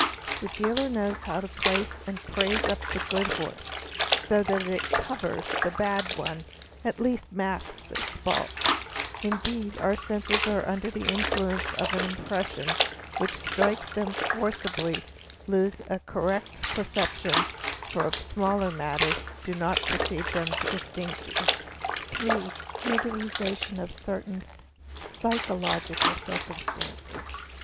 The dealer knows how to place and praise up the good horse, so that it '"covers"' the bad one or, at least, masks its faults; indeed our senses when under the influence of an impression which y strikes them forcibly lose a correct perception of smaller matters and do" not perceive them distinctly. K ' re HORSE FRAUDS 803 (3) UTILIZATION OF CERTAIN PSYCHOLOGICAL CIRCUMSTANCES.